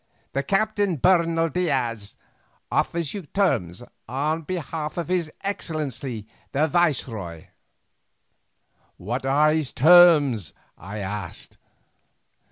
The Captain Bernal Diaz offers you terms on behalf of his Excellency the viceroy." "What are his terms?" I asked.